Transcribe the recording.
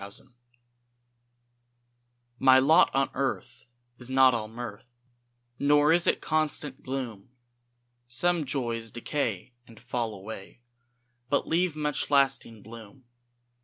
MY LOT My lot on earth is not all mirth, Nor is it constant gloom; Some joys decay and fall away, But leave much lasting bloom.